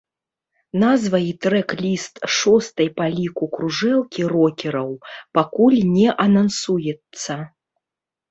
Назва і трэк-ліст шостай па ліку кружэлкі рокераў пакуль не анансуюцца.